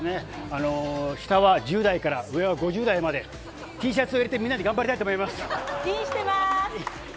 下は１０代から上は５０代まで、Ｔシャツを入れて、みんなで頑張インしてます。